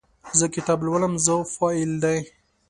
زه کتاب لولم – "زه" فاعل دی.